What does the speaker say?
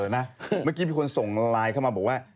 เมื่อกี้มีคนส่งไลน์เข้ามาบอกว่า